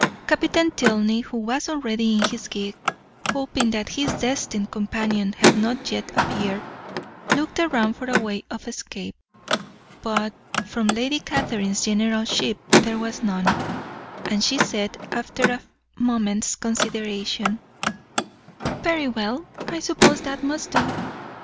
Captain Tilney, who was already in his gig, hoping that his destined companion had not yet appeared, looked round for a way of escape: but from Lady Catherine's generalship there was none, and she said, after a moment's consideration: "Very well, I suppose that must do.